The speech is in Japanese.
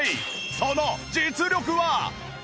その実力は！？